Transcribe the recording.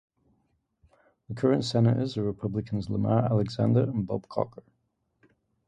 The current Senators are Republicans Lamar Alexander and Bob Corker.